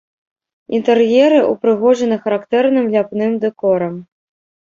Інтэр'еры ўпрыгожаны характэрным ляпным дэкорам.